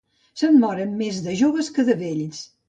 Se'n moren més de joves que de vells.